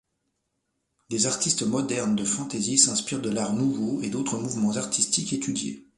Des artistes modernes de fantasy s'inspirent de l'Art nouveau et d'autres mouvements artistiques étudiés.